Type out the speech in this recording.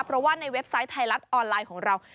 เพราะว่าในเว็บไซต์ไทยรัฐออนไลน์ของเรา